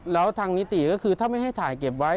แล้วทางนิติก็คือถ้าไม่ให้ถ่ายเก็บไว้